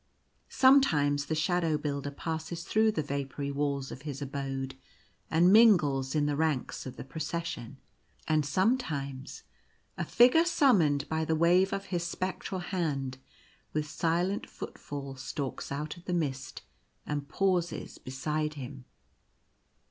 Sometimes the Shadow Builder passes through the vapoury walls of his abode and mingles in the ranks of the Procession; and sometimes a figure summoned by the wave of his spectral hand, with silent footfall stalks out of the mist and pauses beside him.